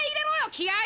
気合い！